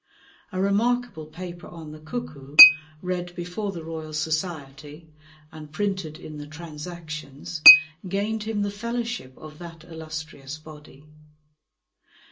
A remarkable paper on the cuckoo, read before the Royal Society and printed in the Transactions, gained him the fellowship of that illustrious body.